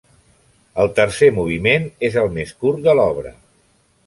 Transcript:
El tercer moviment és el més curt de l’obra.